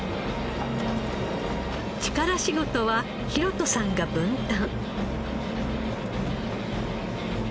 力仕事は拓人さんが分担。